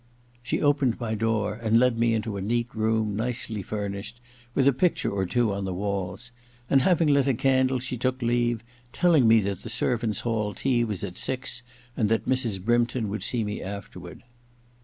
She opened my door and led me into a neat room, nicely furnished, with a picture or two on the walls ; and having lit a candle she took leave, telling me that the servants' hall tea was at six, and that Mrs. Brympton would see me after ward.